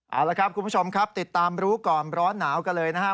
เอาละครับคุณผู้ชมครับติดตามรู้ก่อนร้อนหนาวกันเลยนะครับ